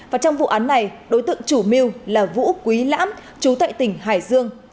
và trong vụ án này đối tượng chủ mưu là vũ quý lãm chú tại tỉnh hải dương